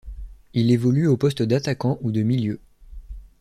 Il évolue au poste d'attaquant ou de milieu.